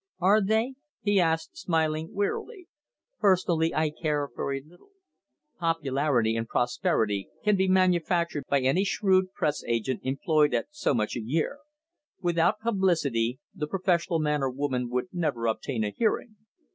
"Are they?" he asked, smiling wearily. "Personally I care very little. Popularity and prosperity can be manufactured by any shrewd press agent employed at so much a year. Without publicity, the professional man or woman would never obtain a hearing.